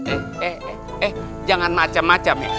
eh eh eh jangan macam macam ya